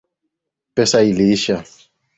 Pesa iliisha